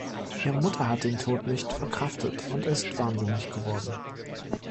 Ihre Mutter hat den Tod nicht verkraftet und ist wahnsinnig geworden.